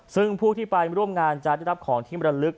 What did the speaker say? ซึ่งผู้ที่ไปร่วมงานจะได้รับของที่มรลึก